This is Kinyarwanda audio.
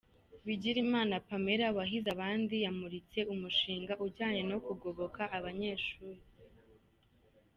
Bigirimana Pamela wahize abandi yamuritse umushinga ujyanye no kugoboka abanyeshuri.